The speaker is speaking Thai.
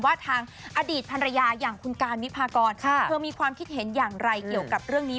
ว่าทางอดีตภรรยาอย่างคุณการวิพากรเธอมีความคิดเห็นอย่างไรเกี่ยวกับเรื่องนี้